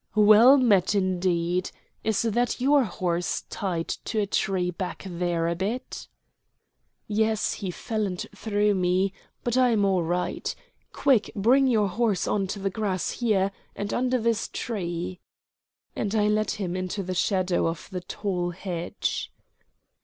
"Well met, indeed. Is that your horse tied to a tree back there a bit?" "Yes, he fell and threw me; but I am all right. Quick, bring your horse on to the grass here, and under this tree," and I led him into the shadow of the tall hedge.